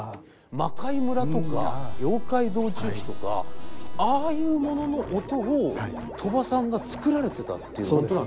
「魔界村」とか「妖怪道中記」とかああいうものの音を鳥羽さんが作られてたっていうことなんですか？